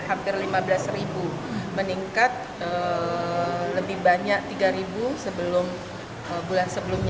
hampir lima belas meningkat lebih banyak tiga bulan sebelumnya